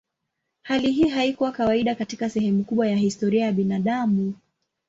Hali hii haikuwa kawaida katika sehemu kubwa ya historia ya binadamu.